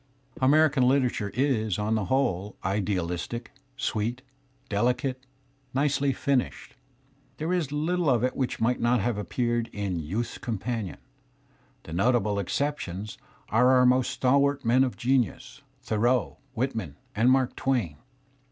[ American hterature is on the who le idea ligtici..aEfifit».,deli i cate, nicely finished. There is httle of it which might not have appeared in the YauUCs Companion, The notabL exceptions are our most stalwart men of genius, Thoreaul Whitg iari^ AT^d^ Mark Twain